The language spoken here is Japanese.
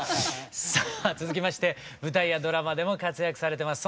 さあ続きまして舞台やドラマでも活躍されてます